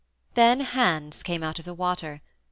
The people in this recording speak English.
Then hands came out of the water.